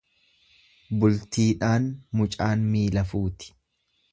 Bultiidhaan mucaan miila fuuti.